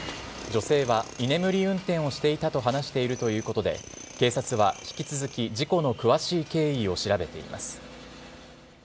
女性は居眠り運転をしていたと話しているということで、警察は、引き続き事故の詳しい経緯を調べています。